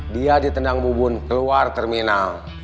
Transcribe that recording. dia ditendang bubun keluar terminal